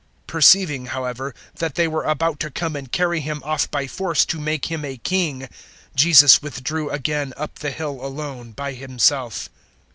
006:015 Perceiving, however, that they were about to come and carry Him off by force to make Him a king, Jesus withdrew again up the hill alone by Himself.